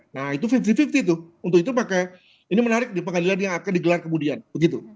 nah itu lima puluh lima puluh tuh untuk itu pakai ini menarik di pengadilan yang akan digelar kemudian begitu